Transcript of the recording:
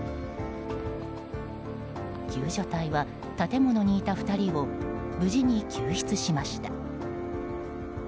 救助隊は建物にいた２人を無事に救出しました。